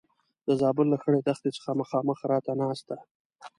د زابل له خړې دښتې څخه مخامخ راته ناسته ده.